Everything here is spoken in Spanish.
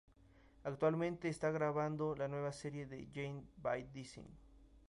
Actualmente está grabando la nueva serie Jane by Design.